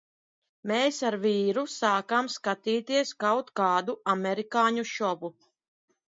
Mēs ar vīrus sākām skatīties kaut kādu amerikāņu šovu.